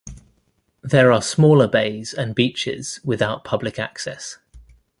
There are smaller bays and beaches without public access.